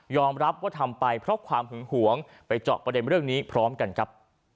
รับว่าทำไปเพราะความหึงหวงไปเจาะประเด็นเรื่องนี้พร้อมกันครับ